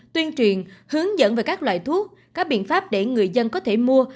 tuyên truyền hướng dẫn về các loại thuốc có biện pháp để người dân có thể mua